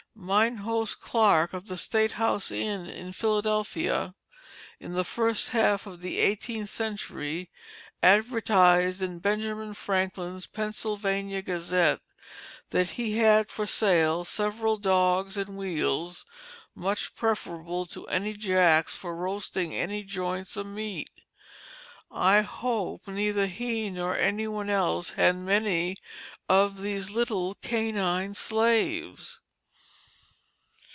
Mine host Clark of the State House Inn in Philadelphia in the first half of the eighteenth century advertised in Benjamin Franklin's Pennsylvania Gazette that he had for sale "several dogs and wheels, much preferable to any jacks for roasting any joints of meat." I hope neither he nor any one else had many of these little canine slaves.